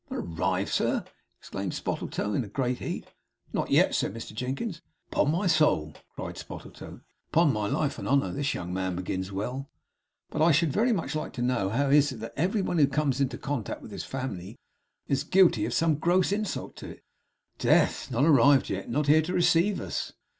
'Not arrived, sir!' exclaimed Spottletoe, in a great heat. 'Not yet,' said Mr Jinkins. 'Upon my soul!' cried Spottletoe. 'He begins well! Upon my life and honour this young man begins well! But I should very much like to know how it is that every one who comes into contact with this family is guilty of some gross insult to it. Death! Not arrived yet. Not here to receive us!